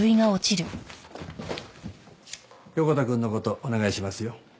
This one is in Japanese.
横田くんの事お願いしますよ。